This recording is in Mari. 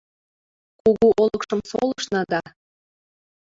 Кугу олыкшым солышна да